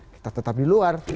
kita tetap di luar